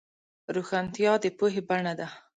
روښانتیا د پوهې بڼه ده.